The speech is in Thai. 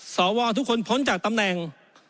สวทุกคนพ้นจากตำแหน่ง